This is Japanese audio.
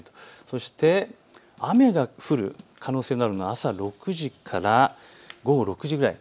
そして雨が降る可能性があるのは朝６時から午後６時ぐらい。